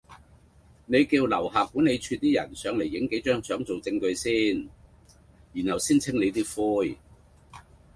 你叫樓下管理處啲人上嚟影幾張相做証據先，然後先清理啲灰